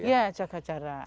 iya jaga jarak